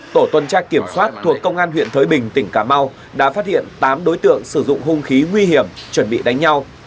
tổ tuần tra kiểm soát thuộc công an huyện thới bình tỉnh cà mau đã phát hiện tám đối tượng sử dụng hung khí nguy hiểm chuẩn bị đánh nhau